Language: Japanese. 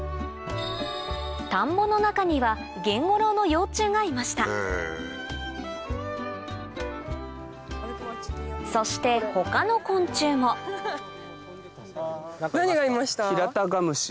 田んぼの中にはゲンゴロウの幼虫がいましたそして他の昆虫も何がいました？